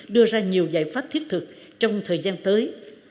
đưa ra nhiều giải pháp thiết thực trong thời gian tới